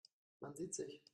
Man sieht sich.